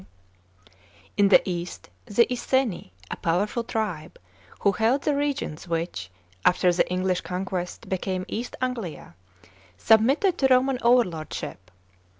D. In the east, the Iceni, a powerful tribe, who h< Id the regions which, after the English conquest, became East Anglia, submitted to Roman overlordship.